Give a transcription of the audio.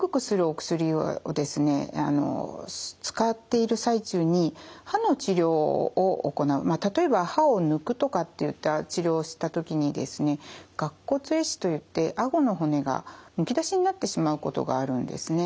使っている最中に歯の治療を行う例えば歯を抜くとかっていった治療をした時にですね顎骨壊死といってあごの骨がむき出しになってしまうことがあるんですね。